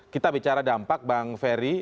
kita bicara dampak bang ferry